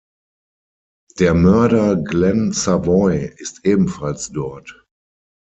Der Mörder Glen Savoy ist ebenfalls dort.